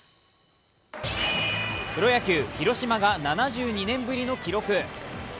プロ野球、広島が７２年ぶりの記録。